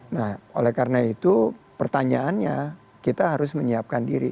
nah oleh karena itu pertanyaannya kita harus menyiapkan diri